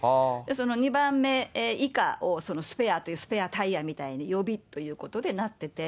その２番目以下をスペアと、スペアタイヤみたいな、予備ということでなってて。